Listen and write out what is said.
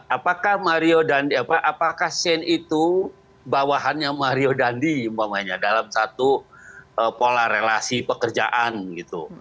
apakah mario dan apakah shane itu bawahannya mario dandi umpamanya dalam satu pola relasi pekerjaan gitu